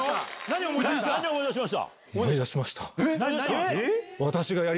何思い出しました？